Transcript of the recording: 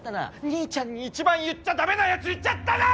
兄ちゃんに一番言っちゃダメなやつ言っちゃったな！